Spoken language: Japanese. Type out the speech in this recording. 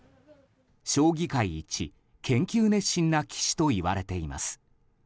将棋界一研究熱心な棋士といわれています。